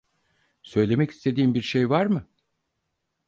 Söylemek istediğin bir şey var mı?